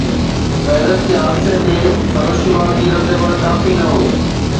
Paris جي حادثي تي سندس شروعاتي رد عمل ڪافي نه هو.